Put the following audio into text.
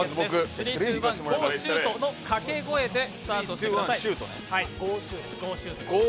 ３、２、１、ゴーシュート！のかけ声でスタートしてください。